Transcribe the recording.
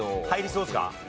入りそうですか？